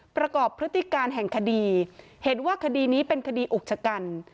พฤติการแห่งคดีเห็นว่าคดีนี้เป็นคดีอุกชะกัน